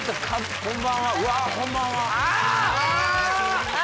こんばんはあ！あ！